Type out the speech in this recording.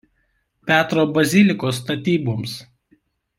Petro bazilikos statyboms.